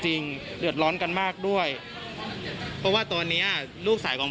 จะไม่ส่อง